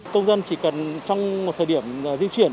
công dân chỉ cần trong một thời điểm di chuyển